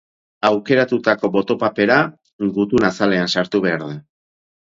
Aukeratutako boto-papera gutun-azalean sartu behar da.